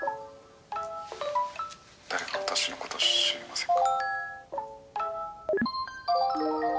「誰か私の事知りませんか？」